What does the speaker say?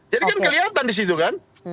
jadi kan kelihatan di situ kan